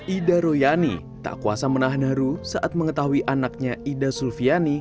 ida royani tak kuasa menahan haru saat mengetahui anaknya ida sulfiani